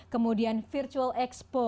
kemudian virtual expo